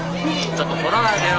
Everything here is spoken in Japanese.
ちょっと撮らないでよ。